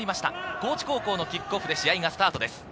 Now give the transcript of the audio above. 高知高校のキックオフで試合がスタートです。